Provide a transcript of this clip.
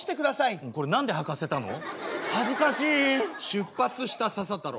「出発した佐々太郎。